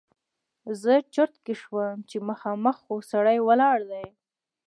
زه چرت کې شوم چې مخامخ خو سړی ولاړ دی!